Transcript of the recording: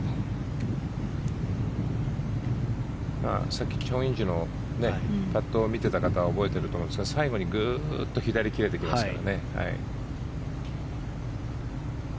さっき、チョン・インジのパットを見ていた方は覚えていると思うんですが最後にグーッと左に切れていきますからね。